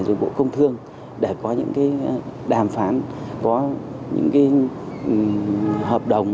và bộ công thương để có những đàm phán có những hợp đồng